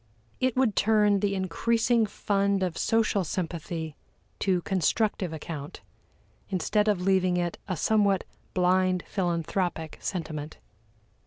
It would turn the increasing fund of social sympathy to constructive account, instead of leaving it a somewhat blind philanthropic sentiment.